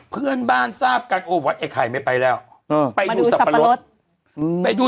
เพื่อนบ้านทราบกันโอ้วัดไอ้ไข่ไม่ไปแล้วไปดูสับปะรดไปดู